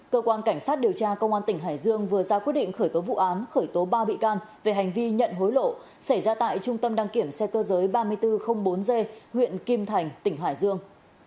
cơ quan cảnh sát điều tra công an tỉnh hải dương vừa ra quyết định khởi tố vụ án khởi tố ba bị can về hành vi nhận hối lộ xảy ra tại trung tâm đăng kiểm xe cơ giới ba nghìn bốn trăm linh bốn g huyện kim thành tỉnh hải dương